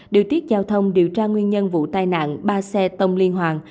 điều tiết giao thông điều tra nguyên nhân vụ tai nạn ba xe tông liên hoàng